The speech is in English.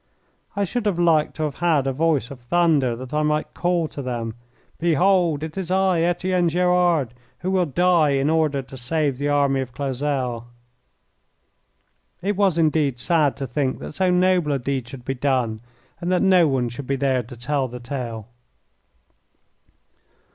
I should have liked to have had a voice of thunder that I might call to them, "Behold it is I, Etienne Gerard, who will die in order to save the army of Clausel!" It was, indeed, sad to think that so noble a deed should be done, and that no one should be there to tell the tale.